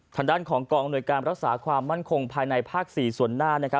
ทางด้านของกองอำนวยการรักษาความมั่นคงภายในภาค๔ส่วนหน้า